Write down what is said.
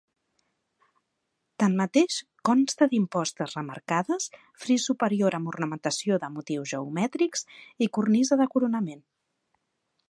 Tanmateix, consta d'impostes remarcades, fris superior amb ornamentació de motius geomètrics i cornisa de coronament.